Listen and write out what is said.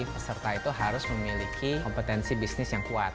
peserta itu harus memiliki kompetensi bisnis yang kuat